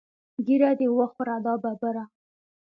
ږیره دې وخوره دا ببره.